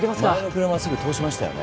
前の車はすぐ通しましたよね。